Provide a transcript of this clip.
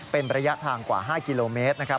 เป็นระยะทางกว่า๕กิโลเมตรนะครับ